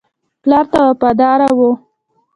پلار ته وفادار وو.